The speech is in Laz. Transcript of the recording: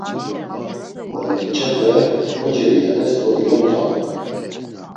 Ort̆iç̌epe koceliyanes do iyondraman.